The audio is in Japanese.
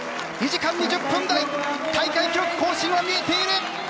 ２時間２０分台大会記録更新は見えている！